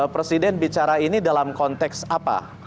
presiden bicara ini dalam konteks apa